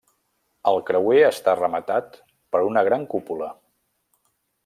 El creuer està rematat per una gran cúpula.